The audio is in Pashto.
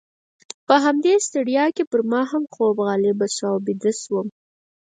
په همدې ستړیا کې پر ما هم خوب غالبه شو او بیده شوم.